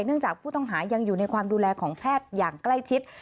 จากผู้ต้องหายังอยู่ในความดูแลของแพทย์อย่างใกล้ชิด